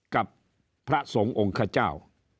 กับพระสงฆ์องค์ขเจ้า